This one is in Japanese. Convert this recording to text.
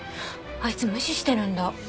あいつ無視してるんだ。